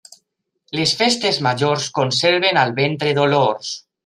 Les festes majors conserven al ventre dolors.